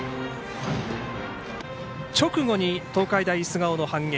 直後に東海大菅生の反撃。